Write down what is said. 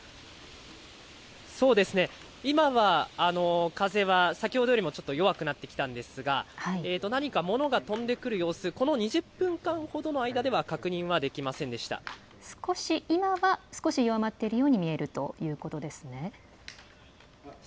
そうですね、今は風は、先ほどよりもちょっと弱くなってきたんですが、何か物が飛んでくる様子、この２０分間ほどの間では確少し今は、少し弱まっているように見えるということですね。